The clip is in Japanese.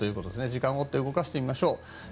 時間を追って動かしていきましょう。